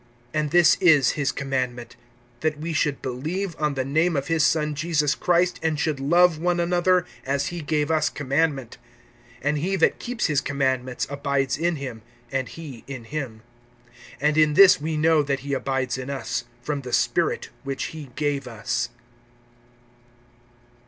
(23)And this is his commandment, that we should believe on the name of his Son Jesus Christ, and should love one another, as he gave us commandment. (24)And he that keeps his commandments abides in him, and he in him. And in this we know that he abides in us, from the Spirit which he gave us.